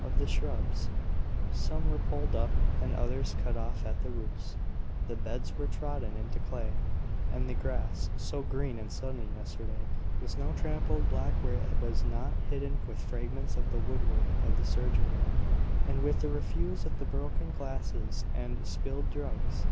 Of the shrubs, some were pulled up, and others cut off at the roots. The beds were trodden into clay, and the grass, so green and sunny yesterday, was now trampled black where it was not hidden with fragments of the wood work of the surgery, and with the refuse of the broken glasses and spilled drugs.